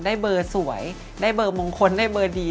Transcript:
ได้เบอร์สวยได้เบอร์มงคลได้เบอร์ดี